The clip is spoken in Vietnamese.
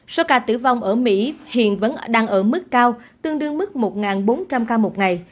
số ca tử vong ở mỹ hiện vẫn đang ở mức cao tương đương mức một bốn trăm linh ca một ngày